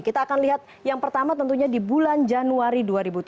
kita akan lihat yang pertama tentunya di bulan januari dua ribu tujuh belas